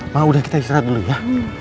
mah udah kita istirahat dulu ya